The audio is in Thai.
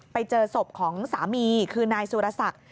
ไปเจอศพของสามีคือนายสุรศักดิ์